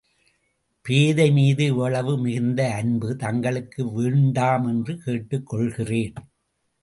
பேதை மீது இவ்வளவு மிகுந்த அன்பு தங்களுக்கு வேண்டாமென்று கேட்டுக் கொள்கிறேன்.